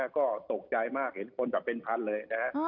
ก็ตกใจมากเห็นคนต่อเป็นพันเลย